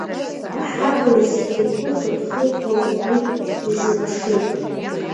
Аҳабла зегьы ргәы хыҭхыҭуа уи изыԥшын…